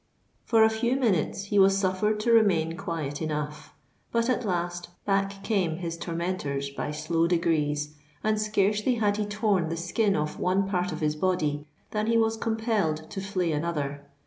For a few minutes he was suffered to remain quiet enough; but at last, back came his tormentors by slow degrees; and scarcely had he torn the skin off one part of his body, than he was compelled to flay another.